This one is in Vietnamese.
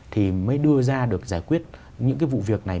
thì mới đưa ra được giải quyết những cái vụ việc này